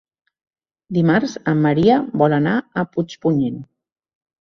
Dimarts en Maria vol anar a Puigpunyent.